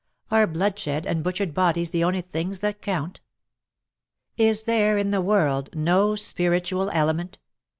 Are bloodshed and butchered bodies the only things that count ^. Is there in the world no spiritual element